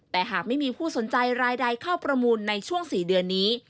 แต่หากไม่มีผู้สนใจรายใดเข้าประมูลในช่วง๔เดือนนี้